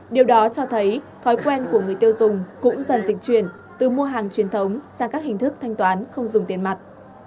điều đó cho thấy thói quen của người tiêu dùng cũng dần dịch chuyển từ mua hàng truyền thống sang các hình thức thanh toán không dùng tiền mặt